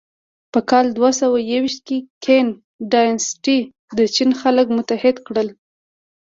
په کال دوهسوهیوویشت کې کین ډایناسټي د چین خلک متحد کړل.